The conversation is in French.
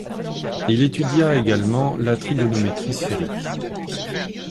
Il étudia également la trigonométrie sphérique.